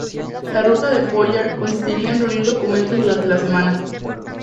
La rutina de Pollard consistía en reunir documentos durante la semana.